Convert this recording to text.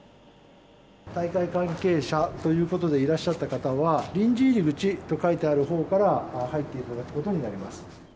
大会関係者ということでいらっしゃった方は、臨時入り口と書いてあるほうから入っていただくことになります。